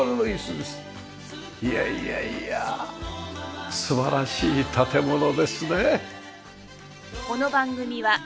いやいやいや素晴らしい建物ですね。